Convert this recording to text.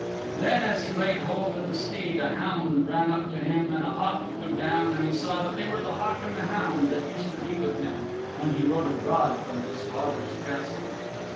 Then as he laid hold of the steed a hound ran up to him and a hawk flew down and he saw that they were the hawk and the hound that used to be with him when he rode abroad from his father's Castle.